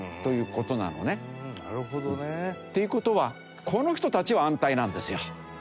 なるほどね。っていう事はこの人たちは安泰なんですよ。